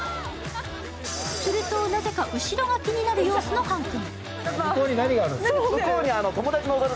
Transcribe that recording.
するとなぜか後ろが気になる様子のはんくん。